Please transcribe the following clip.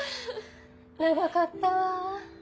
長かったわ。